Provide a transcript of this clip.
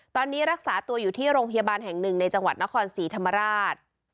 ตอนนี้รักษาตัวอยู่ที่โรงพยาบาลแห่งหนึ่งในจังหวัดนครศรีธรรมราช